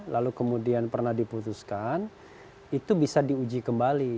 lalu kemudian pernah diputuskan itu bisa diuji kembali